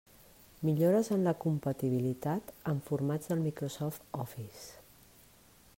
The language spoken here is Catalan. Millores en la compatibilitat amb formats del Microsoft Office.